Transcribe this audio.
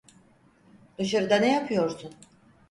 Dışarıda ne yapıyorsun?